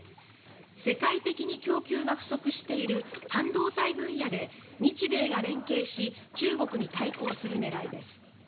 世界的に供給が不足している半導体分野で日米が連携し中国に対抗する狙いです。